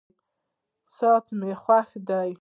ساعت مي خوښ دی.